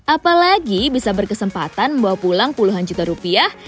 apalagi bisa berkesempatan membawa pulang puluhan juta rupiah